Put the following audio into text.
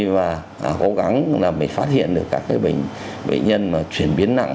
và cố gắng là mình phát hiện được các bệnh nhân mà chuyển biến nặng